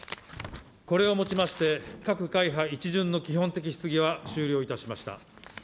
これをもちまして、各会派一巡の基本的質疑は終了いたしました。